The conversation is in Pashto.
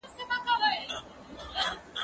زه پرون سبزیحات جمع کړل!؟